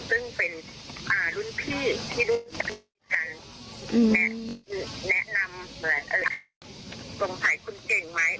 ซึ่งเป็นรุ่นพี่ที่รู้จักกันแนะนำสงสัยคุณเก่งไหม